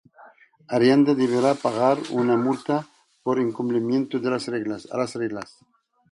Ariadna deberá pagar una multa por incumplimiento a las reglas.